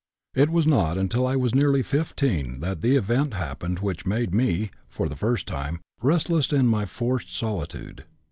"It was not until I was nearly 15 that the event happened which made me, for the first time, restless in my enforced solitude.